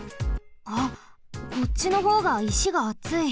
あっこっちのほうがいしがあつい。